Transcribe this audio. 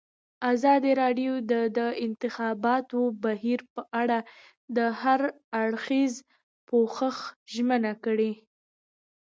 ازادي راډیو د د انتخاباتو بهیر په اړه د هر اړخیز پوښښ ژمنه کړې.